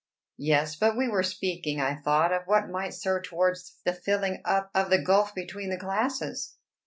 "Yes; but we were speaking, I thought, of what might serve towards the filling up of the gulf between the classes."